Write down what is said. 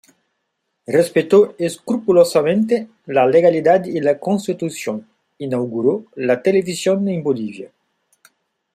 Respetó escrupulosamente la legalidad y la Constitución, inauguró la televisión en Bolivia.